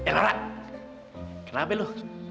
eh laura kenapa lo